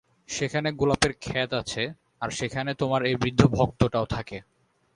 সেখানে গোলাপের খেত আছে, আর সেখানে তোমার এ বৃদ্ধ ভক্তটাও থাকে।